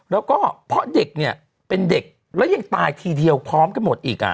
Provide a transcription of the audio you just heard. แล้วก็เพราะเด็กเนี่ยเป็นเด็กแล้วยังตายทีเดียวพร้อมกันหมดอีก